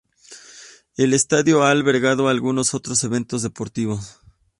El estadio ha albergado algunos otros eventos deportivos.